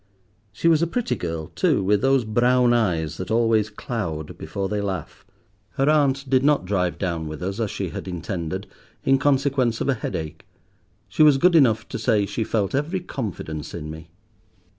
She was a pretty girl, too, with those brown eyes that always cloud before they laugh. Her aunt did not drive down with us as she had intended, in consequence of a headache. She was good enough to say she felt every confidence in me.